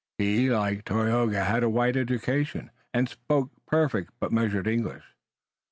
He, like Tayoga, had a white education, and spoke perfect, but measured English.